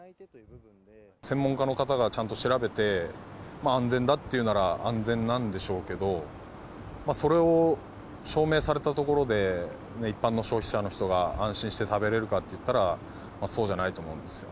専門家の方がちゃんと調べて、安全だっていうなら安全なんでしょうけど、それを証明されたところで、一般の消費者の人が安心して食べれるかっていったら、そうじゃないと思うんですよ。